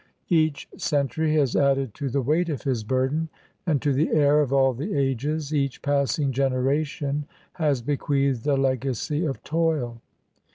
Each century has added to the weight of his burden; and to the "heir of all the ages" each passing generation has bequeathed a legacy of toil.